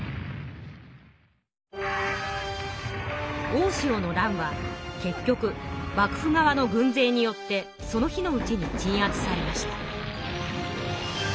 大塩の乱は結局幕府側の軍勢によってその日のうちに鎮圧されました。